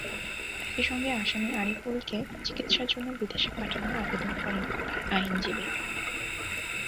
একই সঙ্গে আসামি আরিফুলকে চিকিৎসার জন্য বিদেশে পাঠানোর আবেদন করেন তাঁর আইনজীবী।